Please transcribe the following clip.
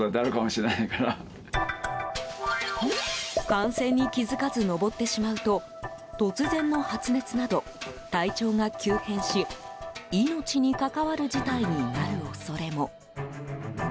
感染に気付かず登ってしまうと突然の発熱など体調が急変し命に関わる事態になる恐れも。